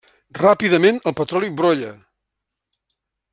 Ràpidament, el petroli brolla.